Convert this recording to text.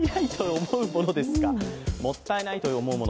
もったいないと思うもの